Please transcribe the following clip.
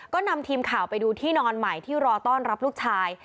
ก็นำทีมข่าวไปดูที่นอนใหม่ที่รอต้อนรับลูกชาย